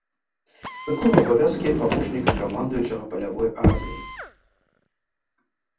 Выконваў абавязкі, памочніка камандуючага палявой арміяй.